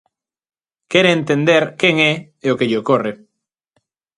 Quere entender quen é e o que lle ocorre.